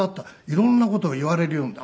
いろんな事を言われるように。